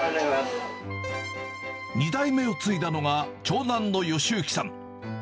２代目を継いだのが、長男の悦之さん。